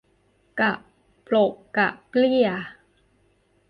กะปลกกะเปลี้ย